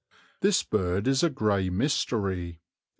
This bird is a grey mystery.